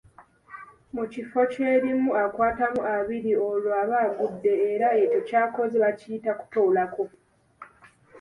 Mu kifo ky’erimu akwatamu abiri, olwo aba agudde era ekyo ky’akoze bakiyita kutoolako.